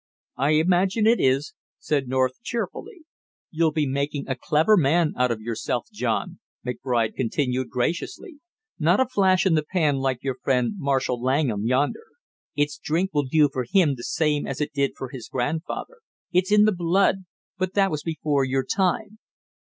"I imagine it is," said North cheerfully. "You'll be making a clever man out of yourself, John," McBride continued graciously. "Not a flash in the pan like your friend Marshall Langham yonder. It's drink will do for him the same as it did for his grandfather, it's in the blood; but that was before your time."